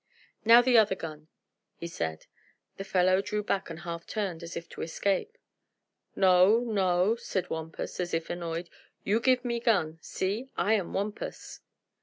"Now the other gun," he said. The fellow drew back and half turned, as if to escape. "No, no!" said Wampus, as if annoyed. "You give me gun. See I am Wampus!"